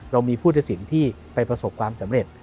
เรามีผู้ตัดสินที่ไปประสบความสำเร็จ